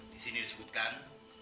di sini disebutkan